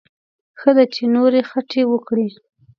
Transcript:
ښه ده چې نورې خټې وکړي.